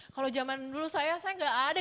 kalau zaman dulu saya saya nggak ada